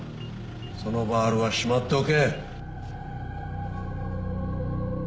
そのバールはしまっておけ。